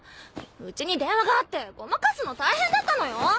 家に電話があってごまかすの大変だったのよ